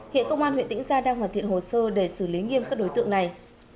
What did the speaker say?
hiện công an huyện tĩnh gia đang hoàn thiện hồ sơ để xử lý nghiêm các đối tượng này